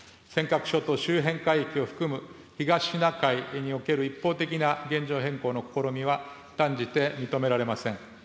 尖閣諸島周辺海域を含む東シナ海における一方的な現状変更の試みは、断じて認められません。